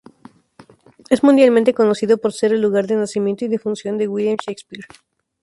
Es mundialmente conocido por ser el lugar de nacimiento y defunción de William Shakespeare.